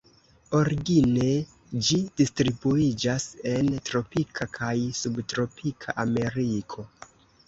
Origine ĝi distribuiĝas en tropika kaj subtropika Ameriko.